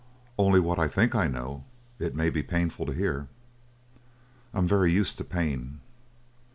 "Only what I think I know. It may be painful to hear." "I'm very used to pain."